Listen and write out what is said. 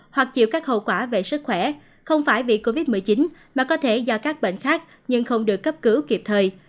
hoặc chịu các hậu quả về sức khỏe không phải vì covid một mươi chín mà có thể do các bệnh khác nhưng không được cấp cứu kịp thời